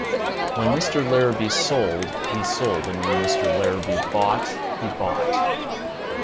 When Mr. Larrabee sold, he sold and when Mr. Larrabee bought, he bought.